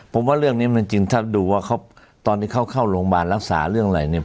ผมว่าเรื่องนี้มันจริงถ้าดูว่าเขาตอนที่เขาเข้าโรงพยาบาลรักษาเรื่องอะไรเนี่ย